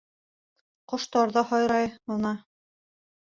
Ҡоштар ҙа һайрай, ана.